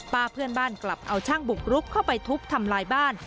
เพื่อนบ้านกลับเอาช่างบุกรุกเข้าไปทุบทำลายบ้าน